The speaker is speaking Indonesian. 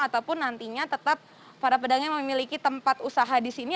ataupun nantinya tetap para pedagang yang memiliki tempat usaha di sini